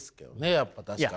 やっぱ確かに。